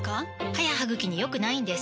歯や歯ぐきに良くないんです